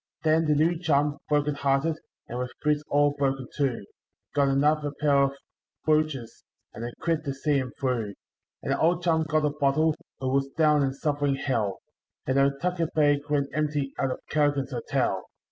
Then the new chum, broken hearted, and with boots all broken too, Got another pair of bluchers, and a quid to see him through; And the old chum got a bottle, who was down and suffering Hell;— And no tucker bag went empty out of Callaghan's Hotel.